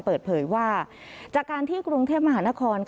เปิดเผยว่าจากการที่กรุงเทพมหานคร